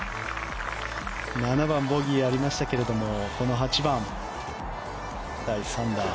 ７番、ボギーがありましたけれども８番、第３打。